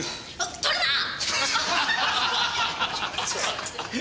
撮るなー！